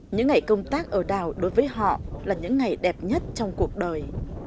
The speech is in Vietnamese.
những ngày công tác ở đảo đối với họ là những ngày đẹp nhất trong cuộc đời